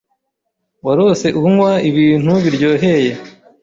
warose unkwa ibintu biryoheye